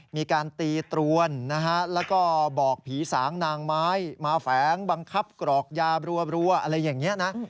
มีการตีตรวนนะฮะ